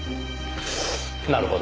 なるほど。